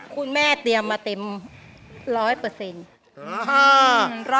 เตรียมมาเต็มร้อยเปอร์เซ็นต์